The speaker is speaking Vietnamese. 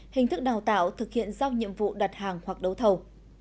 hình thức đào tạo thực hiện giao nhiệm vụ đặt hàng hoặc đấu thầu